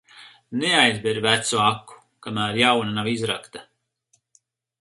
Neaizber vecu aku, kamēr jauna nav izrakta.